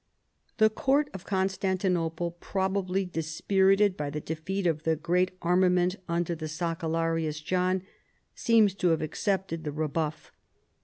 The Court of Constantinople, probably dispirited by the defeat of the great armament under the sacellarkis John seems to have accepted the rebuff.